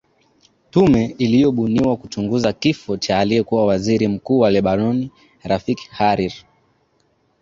tume iliyobuniwa kuchunguza kifo cha aliyekuwa waziri mkuu wa lebanon rafik harir